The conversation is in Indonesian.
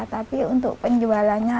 tapi untuk penjualannya